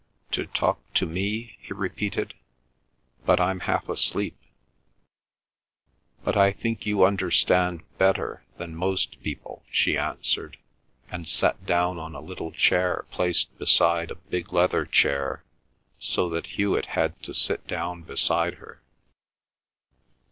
"To talk to me?" he repeated. "But I'm half asleep." "But I think you understand better than most people," she answered, and sat down on a little chair placed beside a big leather chair so that Hewet had to sit down beside her.